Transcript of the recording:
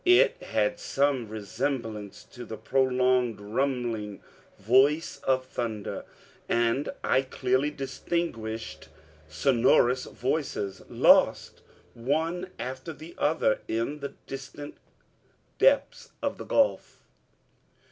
It had some resemblance to the prolonged rumbling voice of thunder, and I clearly distinguished sonorous voices, lost one after the other, in the distant depths of the gulf.